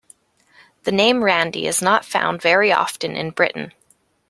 The name Randy is not found very often in Britain.